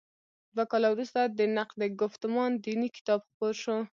دوه کاله وروسته د «نقد ګفتمان دیني» کتاب خپور شو.